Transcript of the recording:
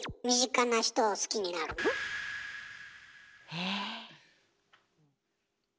え？